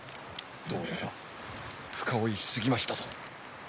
どうやら深追いし過ぎましたぞ。